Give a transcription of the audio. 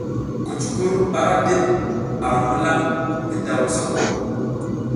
Kucukur ara diɗ ar milan ngi daw mosoko.